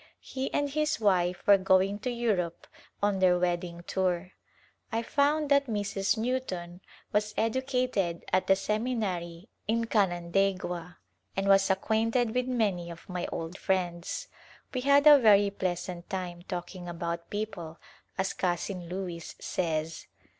He and his wife were going to Europe on their wedding tour. I found that Mrs. Newton was educated at the seminary in Canandaigua and was acquainted with many of my old friends. We had a very pleasant time " talking about people," as Cousin Louis says.